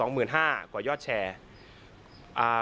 ๒๕๐๐๐กว่ายอดแชร์